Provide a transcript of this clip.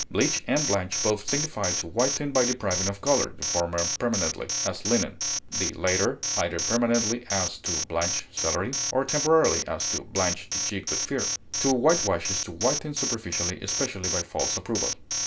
Bleach and blanch both signify to whiten by depriving of color, the former permanently, as linen; the latter either permanently (as, to blanch celery) or temporarily (as, to blanch the cheek with fear). To whitewash is to whiten superficially, especially by false approval.